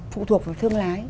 phụ thuộc vào thương lái